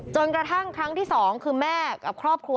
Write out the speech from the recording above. กระทั่งครั้งที่๒คือแม่กับครอบครัว